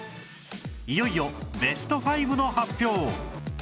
いよいよベスト５の発表